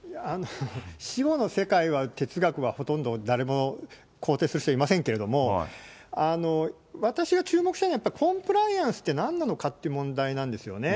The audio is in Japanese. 死後の世界は哲学はほとんど誰も肯定する人はいませんけれども、私が注目したいのは、やっぱりコンプライアンスってなんなのかっていう問題なんですよね。